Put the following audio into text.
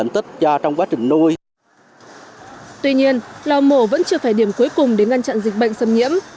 tuy nhiên lò mổ vẫn chưa phải điểm cuối cùng để ngăn chặn dịch bệnh xâm nhiễm